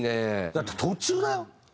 だって途中だよ。